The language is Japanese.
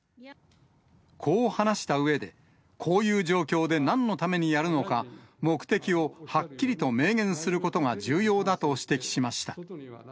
こう話したうえで、こういう状況でなんのためにやるのか、目的をはっきりと明言することが重要だと指摘しました。